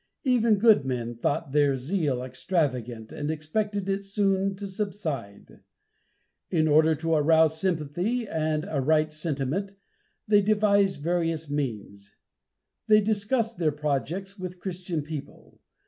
Even good men thought their zeal extravagant and expected it soon to subside. In order to arouse sympathy and a right sentiment, they devised various means. They discussed their projects with Christian people.